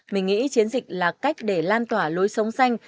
mình nghĩ chiến dịch là cách để lan tỏa lối sống xanh